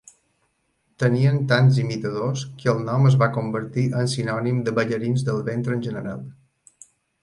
Tenien tants imitadors que el nom es va convertir en sinònim de ballarins del ventre en general.